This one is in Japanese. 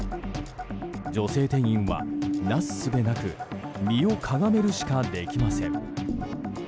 女性店員は、なすすべなく身をかがめるしかできません。